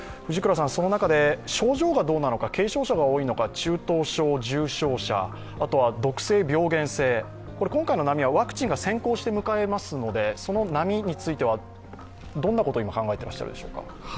その中で症状がどうなのか軽症者が多いのか中等症、重症者、あとは毒性、病原性今回に波はワクチンが先行して迎えますので、その波についてはどのようなことを考えていますか？